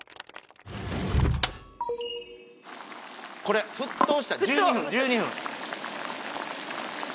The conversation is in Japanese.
これ沸騰したら１２分１２分沸騰！